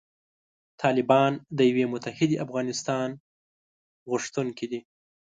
طالبان د یوې متحدې افغانستان غوښتونکي دي.